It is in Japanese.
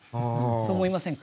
そう思いませんか？